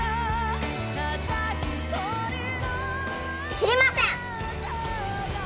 知りません！